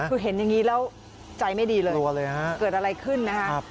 คือเห็นอย่างนี้แล้วใจไม่ดีเลยฮะเกิดอะไรขึ้นนะฮะ